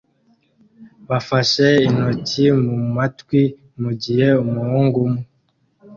bafashe intoki mumatwi mugihe umuhungu umwe